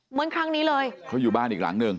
เหมือนครั้งนี้เลยเขาอยู่บ้านอีกหลังหนึ่ง